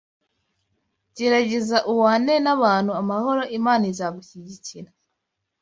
Gerageza ubane nabantu amahoro Imana izagushyikira